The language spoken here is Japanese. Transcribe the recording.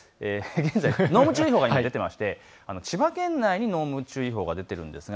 濃霧注意報が出ていまして千葉県内に濃霧注意報が出ています。